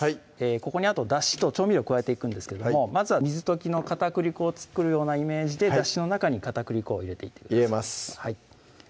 ここにあとだしと調味料を加えていくんですけどもまずは水溶きの片栗粉を作るようなイメージでだしの中に片栗粉を入れていってください